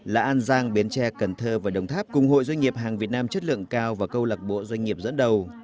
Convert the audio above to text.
là an giang bến tre cần thơ và đồng tháp cùng hội doanh nghiệp hàng việt nam chất lượng cao và câu lạc bộ doanh nghiệp dẫn đầu